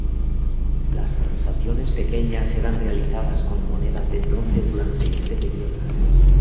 Las transacciones pequeñas eran realizadas con monedas de bronce durante este periodo.